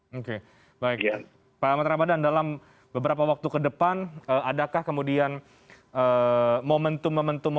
hai oke baiknya pak ramadan dalam beberapa waktu kedepan adakah kemudian momentum momentum